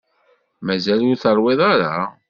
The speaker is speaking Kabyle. Mazal ur teṛwiḍ ara?